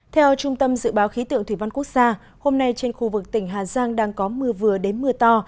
theo trung tâm dự báo khí tượng thủy văn quốc gia hôm nay trên khu vực tỉnh hà giang đang có mưa vừa đến mưa to